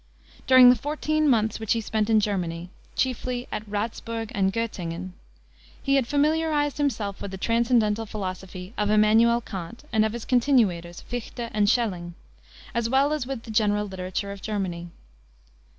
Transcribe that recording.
During the fourteen months which he spent in Germany chiefly at Ratzburg and Göttingen he had familiarized himself with the transcendental philosophy of Immanuel Kant and of his continuators, Fichte and Schelling, as well as with the general literature of Germany.